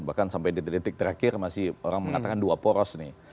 bahkan sampai detik detik terakhir masih orang mengatakan dua poros nih